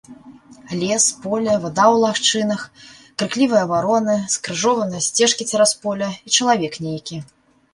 Лес, поле, вада ў лагчынах, крыклівыя вароны, скрыжованыя сцежкі цераз поле, і чалавек нейкі.